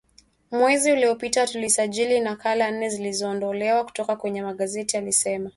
Mwezi uliopita tulisajili nakala nne zilizoondolewa kutoka kwenye magazeti alisema